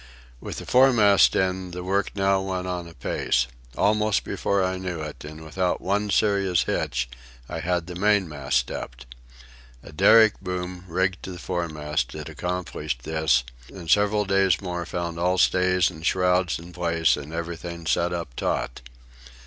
With the foremast in, the work now went on apace. Almost before I knew it, and without one serious hitch, I had the mainmast stepped. A derrick boom, rigged to the foremast, had accomplished this; and several days more found all stays and shrouds in place, and everything set up taut.